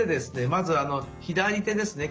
まず左手ですね